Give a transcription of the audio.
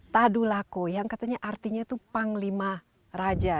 tadulako yang katanya artinya itu panglima raja